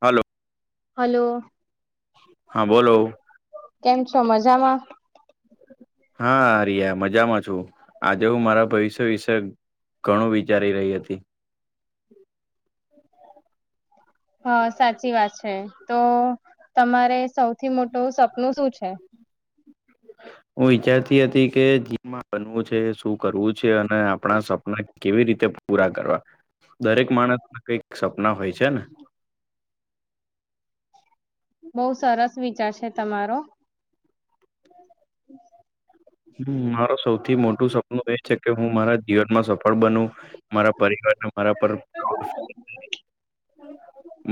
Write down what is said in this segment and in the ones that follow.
હાલો. Hello હા બોલો કેમ છો? મજામાં. હા અરિયા મજામાં છુ. જો આજે હું મારા ભવિષ્ય વિશે ઘણું વિચારી રહી હતી. હા સાચી વાત છે તો તમારે સૌથી મોટું સપનું શું છે? [inaudible] હું વિચારતી હતી કે જીવનમાં બનવું છે શું કરવું છે અને આપણા સપના કેવી રીતે કે પૂરા કરવા. દરેક માણસના કઈક સપના હોય છે ને. બહુ સરસ વિચાર છે તમારો. હમ્મ મારો સૌથી મોટું સપનું એ છે કે હું મારા જીવનમાં સફળ બનુ. મારા પરિવારને મારા પર પ્રાઉડ ફીલ થાય.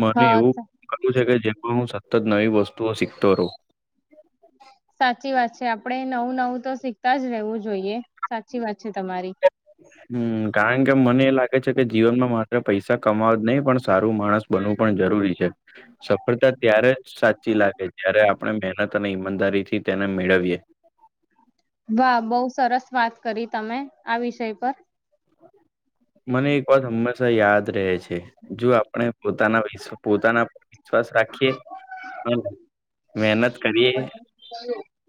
મને હા એવું કરવું છે કે જે પણ હું સતત ત નવી વસ્તુઓ શખતો રઉ. સાચી વાત છે આપડે નવું-નવું તો શીખતા જ રહેવું જોઈએ. સાચી વાત છે તમારી હમ્મ કારણ કે મને લાગે છે કે જીવનમાં માત્ર પૈસા કમાવવા જ નહીં પણ સારું માણસ બનવું પણ જરૂરી છે. સફળ સફળતા ત્યારે સાચી લાગે જ્યારે આપણે મહેનત અને ઈમાનદારી થી તેને મેળવીએ. વાહ બહુ સરસ વાત કરી તમે આ વિષય પર. મને એક વાત હંમેશા યાદ રહે છે જો આપણે પોતાના વિ પોતાના પર વિશ્વાસ રાખીએ અને મહેનત કરીએ.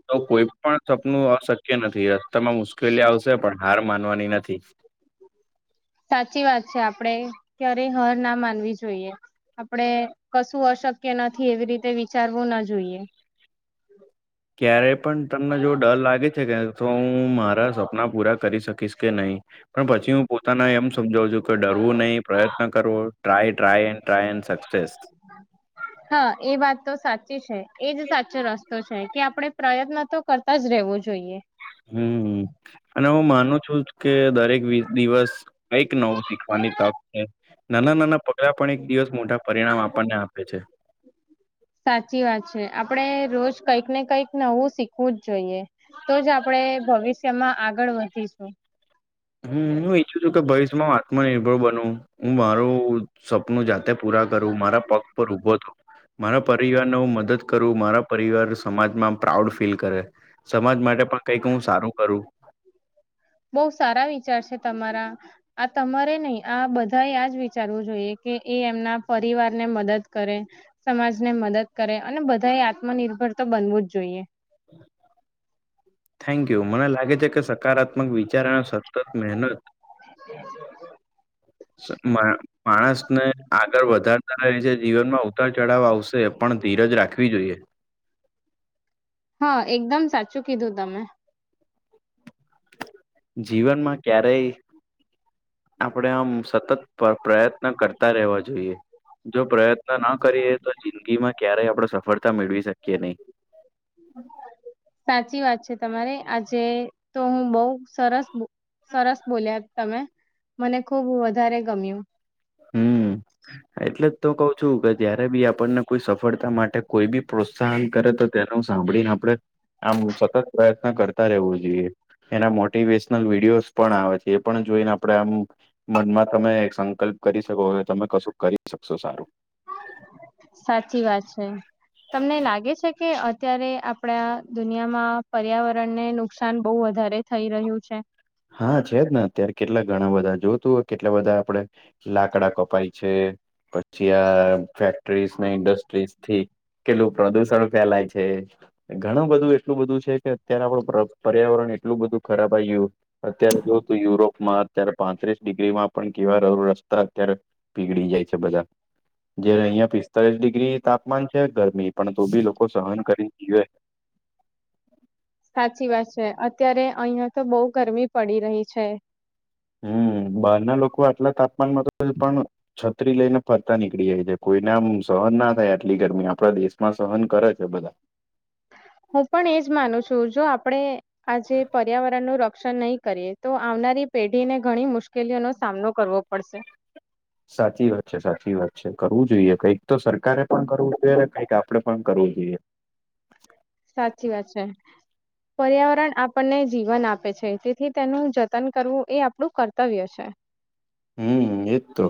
તો કોઈ પણ સપનું અશક્ય નથી રસ્તામાં મુશ્કેલી આવશે પણ હાર માનવાની નથી. થી. સાચી વાત છે. આપડે ક્યારેય હાર ના માનવી જોઈએ. આપડે કશું અશક્ય નથી એવી રીતે વિચારવું ના જોઈએ. ક્યારે પણ તમને જો ડર લાગે છે કે તો હું મારા સપના પૂરા કરી શકીશ કે નહી. પણ પછી હું પોતાના એમ સમજાવ છું કે ડરવું નહી પ્રયત્ન કરવો. ટ્રાય-ટ્રાય-ટ્રાય સચ હા એ વાત તો સાચી છે એજ સાચો રસ્તો છે કે આપડણે પ્રયત્ન તો કરતા જ રહેવો જોઈએ. હમ્મ અને હું માનું છું કે દરેક દિવસ કઈક નવું શીખવાની તક છે. નાના નાના પગલા પણ એક દિવસ મોટા પરિણામ આપણને આપે છે. સાચી વાત છે આપડે રોજ કઈક ને કંઈક નવું શીખવું જ જોઈએ. તો જ આપણે ભવિષ્યમાં આગળ વધીશું. હમ્મ હું ઈચ્છું છું કે ભવિષ્યમાં હ આત્મનિર્ભર બનવ હું મારું શબ નું જાતે પૂરા કરવું મારા પગ પર ઉભો થવ મારા પરિવારને હું મદદ કરું મારા પરિવાર સમાજમાં પ્રાઉડ ફીલ કરે. સમાજ માટે પણ કઈક હું સારું કરું. બહુ સારા વી ચાર છે તમા આ તમારે નહી આ બધાજ વિચારવું જોઈએ કે એ એમના પરિ વાર ને મદદ કરે સમાજને મદદ કરે અને બધા એ આત્મનિર્ભર તો બનવું જ જોઈએ. થેન્ક યુ મને લાગે છે કે સકારાત્મક મક વિચાર અને સતત મહેનત સ માણસને આગળ વધારતા રહે છે જીવનમાં ઉતાર ચઢાવ આવશે પણ ધીરજ રાખવી જોઈએ. હા એકદમ સાચું કીધું તમે. જીવનમાં ક્યારેય આપણેે આમ સતત પ્રયત્ન કરતા રહેેવા જોઈએ. જો પ્રયત્ન ના કરીએ તો જિંદગી માં ક્યારેય આપડ સફળતા મેળવી શકીએ નહી. સાચી વાત છે તમારે આજે તો હું બહ સરસ સરસ બોલ્યા તમે મને ખુબ વધારે ગમ્યું હમ્મ એટલે જ તો કઉ છું કે જયારે બી આપણને કોઈ સફળતા માટે કોઈ બી પ્રોત્સાહન કરે તો તેનું સાંભળીને આપડે આમ સતત પ્રયત્ન કરતા રહેવું જોઈએ એના મોટિવેશનલ વિડીયોઝ પણ આવે છે પણ જોઈને આપડે આમ મનમાં તમે સંકલ્પ કરી શકો કે તમે કશું કરી શકશો સારું સાચી વાત છે તમને લાગે છે કે અત્યારે આપડા દુનિયામાં પર્યાવરણને નુકસાન બહુ વધારે થઈ રહ્યું છે. હા છે જ ને અત્યારે કેટલા ઘણા બધા જોતું હોય કેટલા બધા આપડે લાકડા કપાય છે. પછી આ ફેક્ટરીઝ ને ઇન્ડસ્ટ્રીઝ થી. કેટલું પ્રદુષણ ફેલાય છે ઘણું બધું એટલું બધું છે કે અત્યારે આપડ પર્યાવરણ એટલું બધું ખરાબ આ આવી ગયું અત્યારે જોવું તોું યુરોપમાં અત્યારે પાંત્રીસ ડિગ્રીમાં પણ કેવા રડ રસ્તા અત્યારે પીગળી જાય છે બધા જે અહિયાં પિસ્તાળસ ડિગ્રી તાપમાન છે ગરમી પણ તો બી લોકો સહન કરીને જીવે સાચી વાત છે અત્યારે અહિયાં તો બહુ ગરમી પડી રહી છે. હમ્મ બહાર ના લોકો આટલા તાપમાનમાં તો પણ છત્રી લઈને ફરતા નીકળી જાય છે કોઈને આમ સહન ના થાય આટલી ગરમી આપણા દેશમાં સહન કરે છે બધા હું પણ એજ માનું છું જો આપણે આજે પર્યાવરણનું ર શ નહી કરીએ તો આવનારી પેઢીને ઘણી મુશ્કેલીઓ નો સામનો કરવો પડશે. સાચી વાત છે સાચી વાત છે. કરવું જોઈએ કઈક તો સરકારે પણ કરવું જોઈએને કંઈક આપડે પણ કરવું જોઈએ. સાચી વાત છે પર્યાવરણ આપણને જીવન આપે છે તેથી તેનું જતન કરવું એ આપણું કર્તવ્ય છે. હમ્મ. એજ તો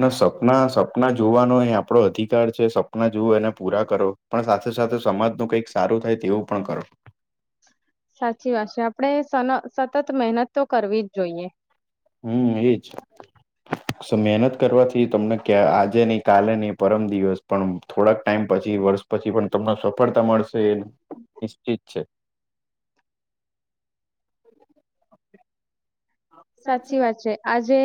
ને સપના સપના જોવાનો એ આપડો અધિકાર છે સપના જોવ એને પુરા આ કરો પણ સાથે સાથે સમાજનું કઈક સારું થાય તેવું પણ કરો સાચી વાત છે આપણે સન સતત મહેનત તો કરવી જ જોઈએ હમ એજ મહેનત કરવાથી તમને ક્યા આજે નહી કાલે નહી પરમ દિવસ પણ થોડાક ટાઈમ પ પછી વર્ષ પછી પણ તમને સફળતા મળશે એ નિશ્ચિત છે. [inaudible] સાચી વાત છે આજે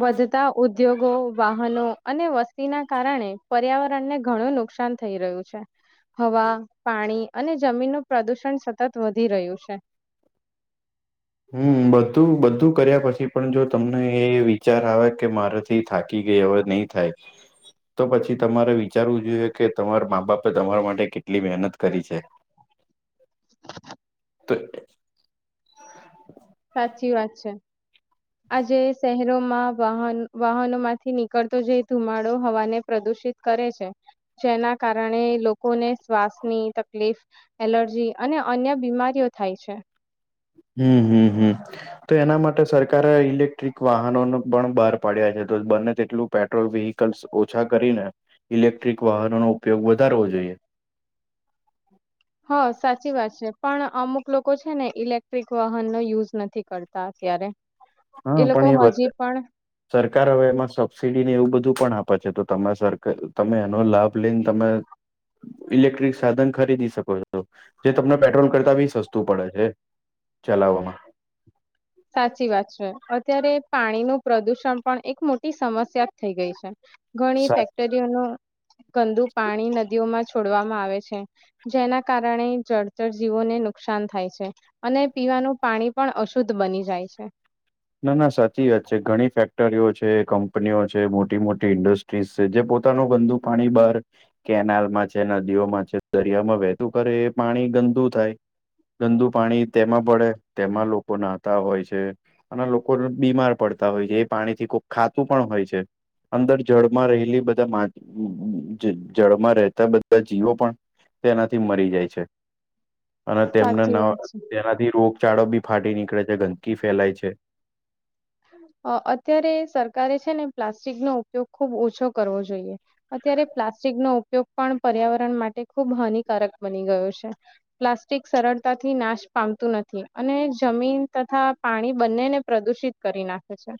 વધતા ઉદ્યોગો, વાહનો અને વસ્તી ના કારણે પર્યાવરણને ઘણું નુકસાન થઈ રહ્યું છે હવા પાણી અને જમીનનો પ્રદૂષણ સતત વધી રહ્યું છે હમ બધું બધું કર્યા પછી પણ જો તમને એ વિચાર આવે કે મારેથી થાકી એવા નહી થાય તો પછી તમારે વિચારવું જોઈએ કે તમારા મા બાપે તમારા માટે કેટલી મહેનત કરી છે. ત સાચી વાત છે આજે શહેરોમાં વાહન વાહનોમાંથી નીકળતો જે ધુમાડો હવાને પ્રદુષિત કરે છે. જેના કારણે લોકોને શ્વાસની તકલીફ એલર્જી અને અન્ય બીમારીઓ થાય છે હમ હમ હમ તો એના માટે સરકારે ઈલેક્ટ્રિક વાહનો ન પણ બહાર પાડ્યા બને તેટલું પેટ્રોલ વેહકલ્ ઓછા કરીને ઇલેક્ટ્રિક વાહનો નો ઉપયોગ વધારવો જોઈએ હા સાચી વાત છે પણ અમુક લોકો છે ને ઇલેક્ટ્રિક વાહનનો યુઝ નથી કરતા ક્યારે હા પણ એ સરકાર હવે એમાં સબસીડી ને એવું બધું પણ આપે છે તો તમે સરકાર તમે એનો લાભ લઈને તમે ઇલેક્ટ્રિક સાધન ખરીદી શકો છો જે તમને પેટ્રોલ કરતા બી સસ્તું પડે છે ચલાવામાં સાચી વાત છે અત્યારે પાણી નું પ્રદુષણ પણ એક મોટી સમસ્યા થઈ ગઈ છે ઘણી સા ફેક્ટરીઓનું ગંદુ પાણી નદીઓમાં છોડવામાં આવે છે જેના કારણે જળચર જીવોને નુકસાન થાય છે અને પીવાનું પાણી પણ અશુદ્ધ બની જાય છે. ના ના સાચી વાત છે ઘણી ફેક્ટરીઓ છે કંપનીઓ છે મોટી મોટી ઇન્ડસ્ટ્રીઝ છે જે પોતાનું ગંદુ પાણી બહાર કેનાલમાં છે નદીઓમાં છે દરિયામાં વહેતું કરે એ પાણી ગંદુ થાય ગંદુ પાણી તેમાં પડે તેમાં લોકો નાહતા હોય છે. અને લોકો બીમાર પડતા હોય છે એ પાણી થી કોક ખાતું પણ હોય છે. અંદર જળમાં રહેલી બધા જળમાં રહેતા બધા જીવો પણ તેનાથી મરી જાય છે. અને તેમને ન સાચી વાત છે. તેનાથી રોગચાળો બી ફાટી નીકળે છે ગંદકી ફેલાય છે અ અત્યારે સરકારે છે ને પ્લાસ્ટિક નો ઉપયોગ ખુબ ઓછો કરવો જોઈએ અત ત્યારે પ્લાસ્ટિકનો ઉપયોગ પણ પર્યાવરણ માટે ખુબ હાનિકારક બની ગયો છે પ્લાસ્ટિક સરળતાથી નાશ પામતું નથી અને જમીન તથા પાણી બંનેને પ્રદુષિત કરી નાખે છે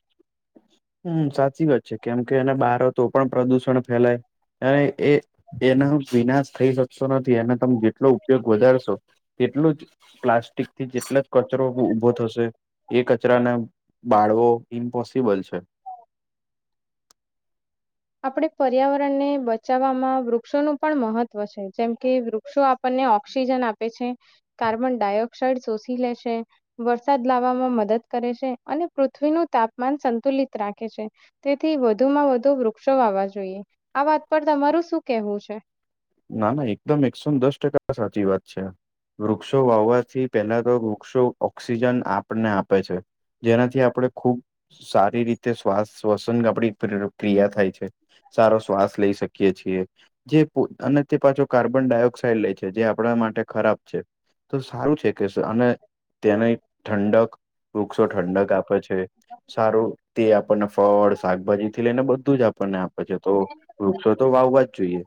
હમ સાચી વાત છે કેમ કે એને બાર તો પણ પ્રદુષણ ફેલાય એ એના વિનાશ થઈ શકશો નથી એનો તમે જેટલો ઉપયોગ વધારશો તે એટલું જ પ્લાસ્ટિકથી જેટલ કચરો ઊભો થશે એ કચરાને બાળવો ઇમ્પોસિબલ છે આપડે પર્યાવરણને બચાવવામાં વૃક્ષોનું પણ મહત્વ છે જેમ કે વૃક્ષો આપણને ઓ ક્સિજન આપે છે કાર્બન ડાયોક્સાઇડ શોષીલે છે વરસાદ લાવવામાં મદદ ક રે છે અને પૃથ્વીનું તાપમાન સંતુલિત રાખે છે તેથી વધુમાં વધુ વૃ વૃક્ષો વાવ વા જોઈએ. આ વાત પર તમારું શું કેવું છે? ના ના એકદમ એકસો ને દસ ટકા સાચી વાત છે. વૃક્ષો વાવવાથી પહેલા તો વૃક્ષો ઓક્સિજન આપણને આપે છે જેનાથી આપણે ખૂબ સારી રીતે શ્વાસ સ્વસન આપણી પ્રેરૂક ક્રિયા થાય છે સારો શ્વાસ લઈ શકીએ છીએ જે અને તે પાછો કાર્બન ડાયોક્સાઇડ લે છે જે આપણા માટે ખરાબ છે તો સારું છે કેસે અને તેને ઠંડક વૃક્ષો ઠંડક આપે છે સારું તે આપણને ફળ શાકભાજી થી લઈને બધું જ આપણને આપે છે તો વૃક્ષો તો વાવવાજ જોઈએ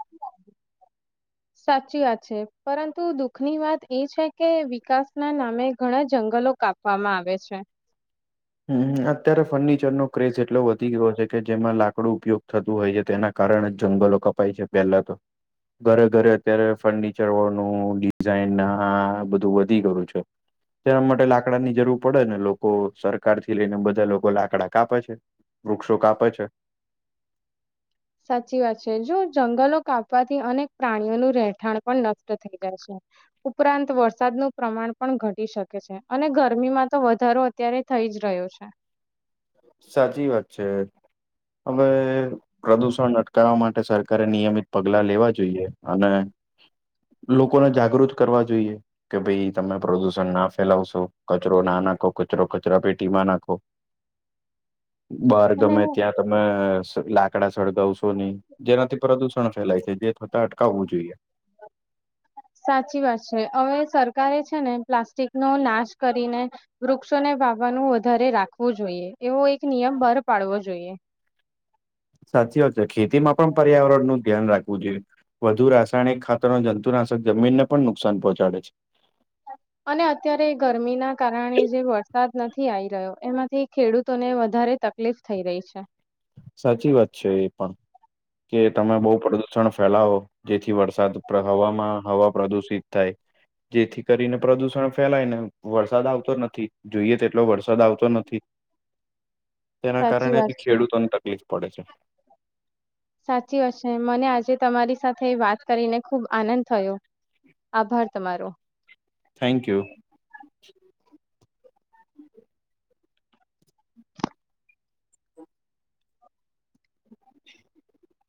સાચી વાત છે પરંતુ દુઃખની વાત એ છે કે વિકાસ ના નામે ઘણા જંગલ લો કાપવામાં આવે છે હમ અત્યારે ફર્નિચરનો ક્રેઝ એટલો વધી ગયો છે કે જેમાં લાકડું ઉપયોગ થતું હોય છે તેના કારણે કારણ જ જંગલો કપાય છે પહેલા તો ઘરે ઘરે અત્યારે ફર્નિચરો નું ડિઝાઇન ને આ બધું વધી ગયું છે તેના માટે લાકડા ની જરૂર પડે ને લોકો ત્યાર થી લઈને બધા લોકો લાકડા કાપે છે વૃક્ષો કાપે છે સાચી વાત છે જો જંગલો કાપવાથી અનેક પ્રાણીઓનું રહેઠાણ પણ નષ્ટ થઈ જાય છે ઉપરાંત વરસાદનું પ્રમાણ પણ ઘટી શકે છે અને ગરમીમાં તો વધારો અત્યારે થઈ જ રહ્યો છે સાચી વાત છે હવે પ્રદુષણ અટકાવવા માટે સરકારે નિયમિત પગલા લેવા જોઈએ અને લોકોને જાગૃત કરવા જોઈએ કે ભઈ તમે પ્રદુષણ ના ફેલાવશો કચરો ના નાખો કચરો કચરા પેટીમાં નાખો બાર અને ગમે ત્યાં તમે સર લાકડા સળગાવ શો નઈ જેનાથી પ્રદુષણ ફેલાય છે જે થતા અટકાવવું જોઈએ સાચી વાત છે હવે સર હવે છે ને પ્લાસ્ટિક નો નાશ કરીને વૃક્ષોને વાવાનું વધારે રાખવું જોઈએ એવો એક નિયમ બહાર પાડવો જોઈએ [inaudible] સાચી વાત છે ખેતીમાં પણ પર્યાવરણ નું ધ્યાન રાખવું જોઈએ વધુ રાસાયણિક ખાતર ના સર જમીનને પણ નુકસાન પહોંચાડે છે અને અત્યારે ગરમીના કારણે જે વરસાદ નથી આઈ રહ્યો એમાંથી ખેડૂતોને વધારે તકલીફ થઈ રહી છે સાચી વાત છે એ પણ કે તમે બહુ પ્રદુષણ ફેલાવો જેથી વરસાદ હવામાં હવા પ્રદુષિત થાય જેથી કરીને પ્રદુષણ ફેલાય ને વરસાદ આવતો નથી જોઈએ તેટલો વરસાદ આવતો નથી તેના સાચી કારણે વાત બી છે. ખેડૂતોને તકલીફ પડે છે સાચી વાત છે મને આજે તમારી સાથે વાત કરીને ખુબ આનંદ થયો આભાર તમારો થેન્ક યુ [inaudible]